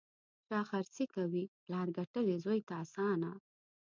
شا خرڅي کوي: پلار ګټلي، زوی ته اسانه.